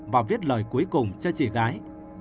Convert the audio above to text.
và viết lời cuối cùng cho chị gái